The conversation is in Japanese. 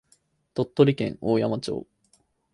鳥取県大山町